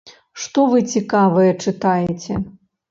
Што вы цікавае чытаеце?